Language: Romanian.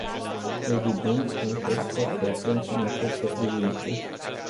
Evident, am fost foarte atenți în această privință.